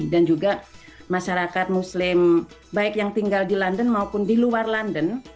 dan juga masyarakat muslim baik yang tinggal di london maupun di luar london